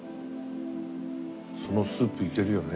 そのスープいけるよね。